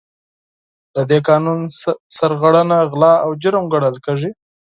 له دې قانون سرغړونه غلا او جرم ګڼل کیږي.